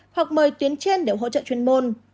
hoặc mời tuyến trên để hỗ trợ chuyên môn